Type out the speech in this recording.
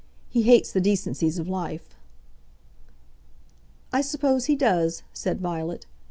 He hates the decencies of life." "I suppose he does," said Violet.